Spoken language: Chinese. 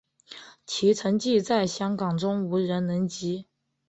其成绩在香港中无人能及。